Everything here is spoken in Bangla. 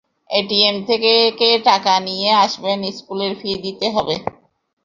এটিএম থেকে টাকা নিয়ে আসবেন স্কুলের ফি দিতে হবে।